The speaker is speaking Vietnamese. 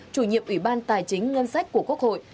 chủ nhiệm ủy ban tài chính ngân sách của quốc hội